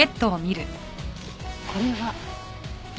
これは。